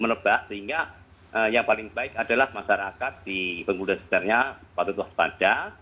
menerbah sehingga yang paling baik adalah masyarakat di penggunaan sepenernya patut diwaspadai